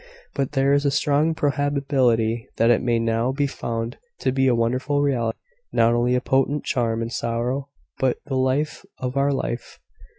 But there is a strong probability that it may now be found to be a wonderful reality; not only a potent charm in sorrow, but the life of our life.